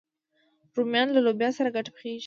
رومیان له لوبیا سره ګډ پخېږي